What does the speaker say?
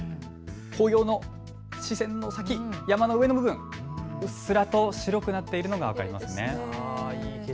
紅葉の視線の先、山の上の部分、うっすらと白くなっているのが分かりますね。